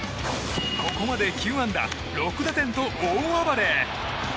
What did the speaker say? ここまで９安打６打点と大暴れ。